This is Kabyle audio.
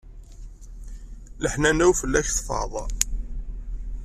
Leḥnana-w fell-ak tfaḍ.